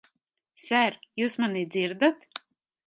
Ser, jūs mani dzirdat?